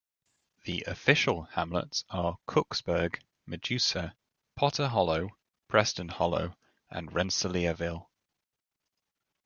The "official" hamlets are Cooksburg, Medusa, Potter Hollow, Preston Hollow, and Rensselaerville.